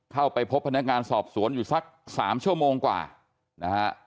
เข้าไปพบพนักงานสอบสวนอยู่สัก๓ชั่วโมงกว่านะฮะ